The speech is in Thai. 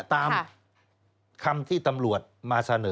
ตามคำที่ตำรวจมาเสนอ